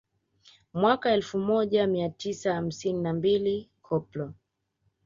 Mwaka elfu moja mia tisa hamsini na mbili Koplo